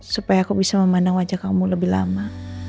supaya aku bisa memandang wajah kamu lebih lama